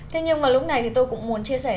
thế nhưng mà lúc này thì tôi cũng muốn chia sẻ